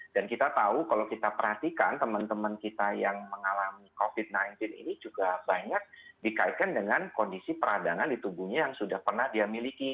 dan kita tahu kalau kita perhatikan teman teman kita yang mengalami covid sembilan belas ini juga banyak dikaitkan dengan kondisi peradangan di tubuhnya yang sudah pernah dia miliki